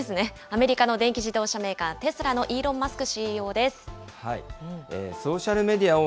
アメリカの電気自動車メーカー、テスラのイーロン・マスク